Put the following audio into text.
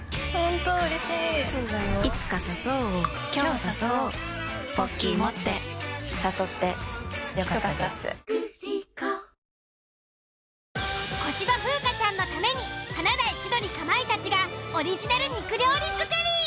もう小芝風花ちゃんのために華大千鳥かまいたちがオリジナル肉料理作り。